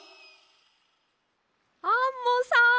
アンモさん。